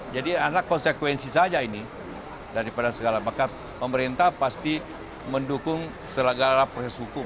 jadi ada konsekuensi saja ini daripada segala bahkan pemerintah pasti mendukung segala proses hukum